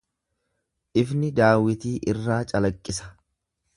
Ifni daawwitii irraa calaqqisa.